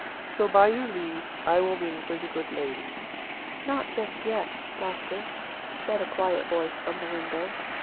So, by your leave, I will ring for the good lady." "Not just yet, doctor," said a quiet voice from the window.